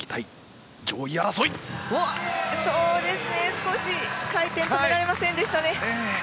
少し回転が止められませんでした。